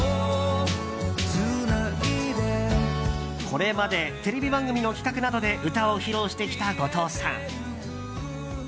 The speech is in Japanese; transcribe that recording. これまでテレビ番組の企画などで歌を披露してきた後藤さん。